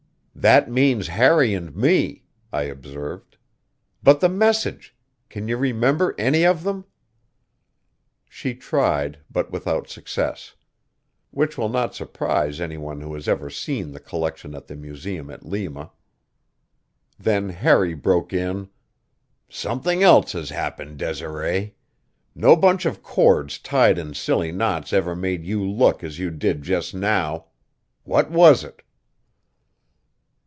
"That means Harry and me," I observed. "But the message! Can you remember any of them?" She tried, but without success. Which will not surprise any one who has ever seen the collection at the museum at Lima. Then Harry broke in: "Something else has happened, Desiree. No bunch of cords tied in silly knots ever made you look as you did just now. What was it?"